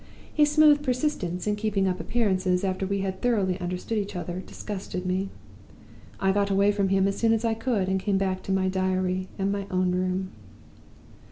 His smooth persistence in keeping up appearances after we had thoroughly understood each other disgusted me. I got away from him as soon as I could, and came back to my diary and my own room.